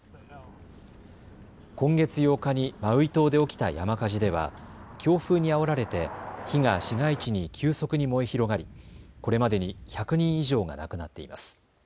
今月８日にマウイ島で起きた山火事では強風にあおられて火が市街地に急速に燃え広がりこれまでに１００人以上が亡くなっています。